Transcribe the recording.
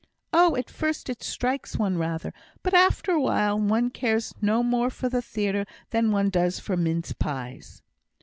"Oh! at first it strikes one rather, but after a while one cares no more for the theatre than one does for mince pies."